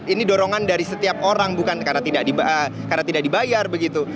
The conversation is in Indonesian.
ini dorongan dari setiap orang bukan karena tidak dibayar begitu